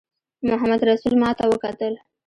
محمدرسول ماته وکتل.